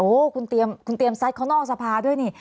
โอ้โหคุณเตรียมคุณเตรียมซัดเขานอกสภาด้วยนี่